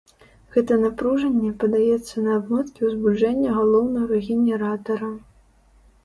Гэта напружанне падаецца на абмоткі ўзбуджэння галоўнага генератара.